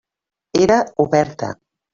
Era oberta.